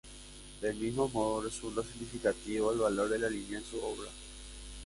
Del mismo modo, resulta significativo el valor de la línea en su obra.